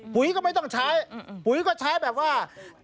ปุ๋ยก็ไม่ต้องใช้ปุ๋ยก็ใช้แบบว่า